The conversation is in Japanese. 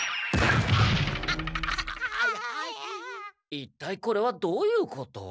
一体これはどういうこと？